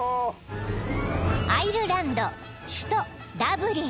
［アイルランド首都ダブリン］